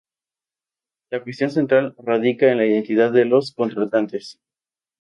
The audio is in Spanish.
La cuestión central radica en la identidad de los contratantes.